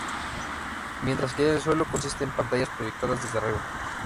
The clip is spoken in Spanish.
Mientras que el suelo consiste en pantallas proyectadas desde arriba.